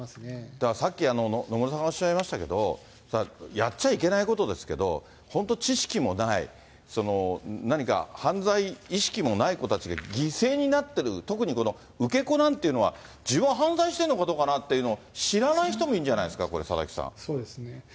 だからさっき野村さんがおっしゃいましたけど、やっちゃいけないことですけど、本当、知識もない、何か犯罪意識もない子たちが犠牲になってる、特に受け子なんていうのは、自分は犯罪してるのか、どうかななんていうの、知らない人もいるんじゃないですか、これ、そうですね。